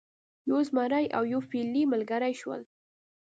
یو زمری او یو فیلی ملګري شول.